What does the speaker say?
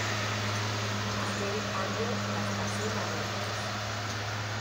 Aquel año las pasó canutas